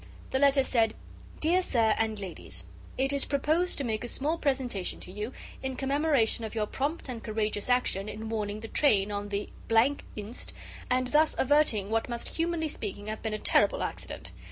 The letter said: "Dear Sir, and Ladies, It is proposed to make a small presentation to you, in commemoration of your prompt and courageous action in warning the train on the inst., and thus averting what must, humanly speaking, have been a terrible accident.